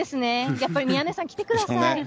やっぱり宮根さん、来てください。